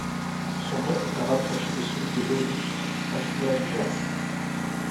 Son nom est à rapprocher de celui de l'Aulouste, affluent du Gers.